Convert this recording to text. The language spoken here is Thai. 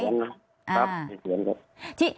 ครับปลูกหมากครับ